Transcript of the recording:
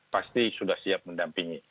pasti sudah siap mendampingi